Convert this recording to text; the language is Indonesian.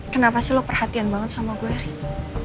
kenapa sih lo perhatian banget sama gue rin